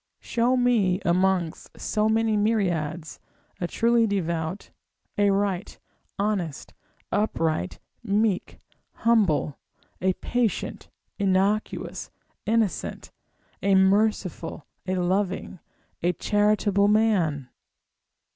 Show me amongst so many myriads, a truly devout, a right, honest, upright, meek, humble, a patient, innocuous, innocent, a merciful, a loving, a charitable man!